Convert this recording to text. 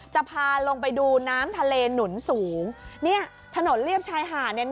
จะพาลงไปดูน้ำทะเลหนุนสูงเนี่ยถนนเรียบชายหาดเนี่ย